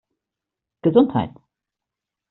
Gesundheit!